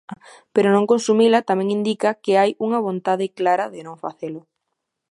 Pero non consumila tamén indica que hai unha vontade clara de non facelo.